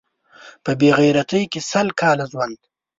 په بې غیرتۍ کې سل کاله ژوند